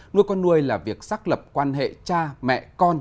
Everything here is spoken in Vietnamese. nuôi con nuôi là việc xác lập quan hệ cha mẹ con